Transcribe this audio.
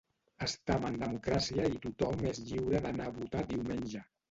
Estam en democràcia i tothom és lliure d’anar a votar diumenge.